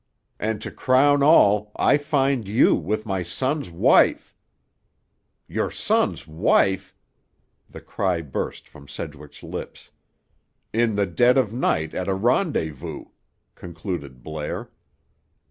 And to crown all, I find you with my son's wife—" "Your son's wife!" The cry burst from Sedgwick's lips. "—in the dead of night, at a rendezvous," concluded Blair.